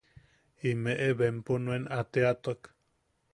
Imeʼe bempo nuan a teatuak.